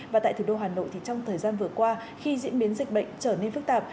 và tại thủ đô hà nội thì trong thời gian vừa qua khi diễn biến dịch bệnh trở nên phức tạp